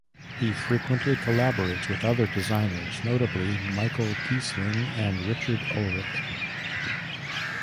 He frequently collaborates with other designers, notably Michael Kiesling and Richard Ulrich.